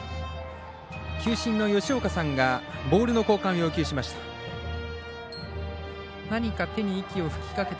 球審の吉岡さんがボールの交換を要求しました。